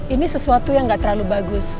ini sesuatu yang tidak bagus